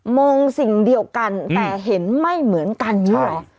มองสิ่งเดียวกันแต่เห็นไม่เหมือนกันเหรอ